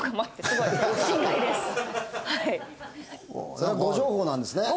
それは誤情報なんですね？